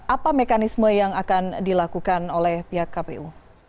apa mekanisme yang akan dilakukan oleh pihak kpu